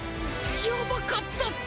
ヤバかったっす！